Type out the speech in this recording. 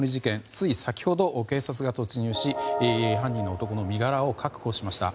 つい先ほど警察が突入し犯人の男の身柄を確保しました。